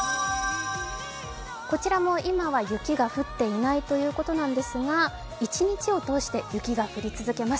こちらも今は雪が降っていないということなんですが、一日を通して雪が降り続きます。